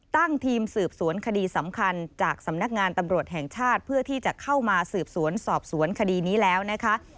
ตั้งทีมสืบสวนคดีสำคัญจากสำนักงานตำรวจแห่งชาติเพื่อที่จะเข้ามาสืบสวนสอบสวนคดีนี้แล้วนะคะ